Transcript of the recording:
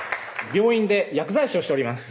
病院で薬剤師をしております